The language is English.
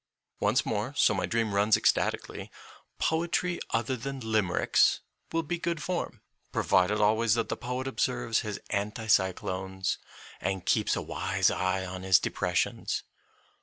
Once more, so my dream runs ecstatically, poetry other than limericks will be good form, provided always that the poet observes his anti cyclones and keeps a wise eye on his depressions.